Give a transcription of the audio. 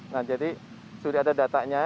nah jadi sudah ada datanya